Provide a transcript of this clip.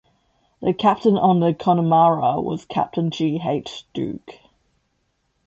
The captain on the "Connemara" was Captain G. H. Doeg.